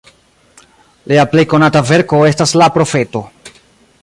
Lia plej konata verko estas "La profeto".